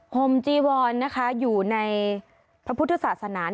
ห่มจีวรนะคะอยู่ในพระพุทธศาสนา